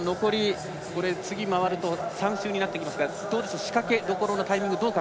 残り３周になってきますが仕掛けどころのタイミング。